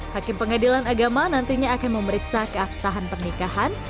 hakim pengadilan agama nantinya akan memeriksa keabsahan pernikahan